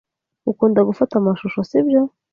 Ukunda gufata amashusho, sibyo?